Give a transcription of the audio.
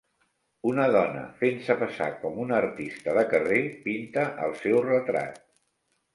Una dona fent-se passar com una artista de carrer pinta el seu retrat.